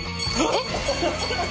えっ！？